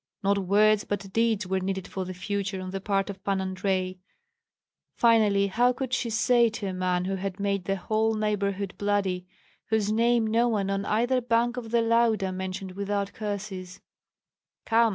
Not words, but deeds were needed for the future on the part of Pan Andrei. Finally, how could she say to a man who had made the whole neighborhood bloody, whose name no one on either bank of the Lauda mentioned without curses, "Come!